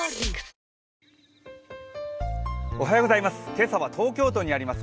今朝は東京都にあります